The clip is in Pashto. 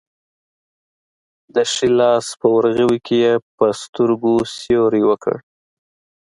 د ښي لاس په ورغوي کې یې په سترګو سیوری وکړ.